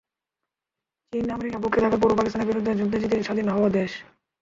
চীন-আমেরিকা পক্ষে থাকার পরও পাকিস্তানের বিরুদ্ধে যুদ্ধে জিতে স্বাধীন হওয়া দেশ।